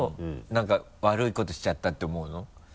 なんか悪いことしちゃったって思うの？